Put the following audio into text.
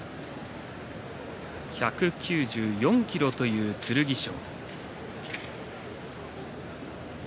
１９４ｋｇという剣翔。